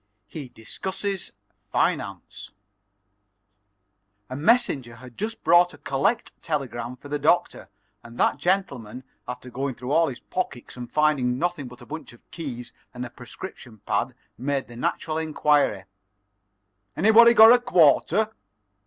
IV HE DISCUSSES FINANCE A messenger had just brought a "collect" telegram for the Doctor, and that gentleman, after going through all his pockets, and finding nothing but a bunch of keys and a prescription pad, made the natural inquiry: "Anybody got a quarter?"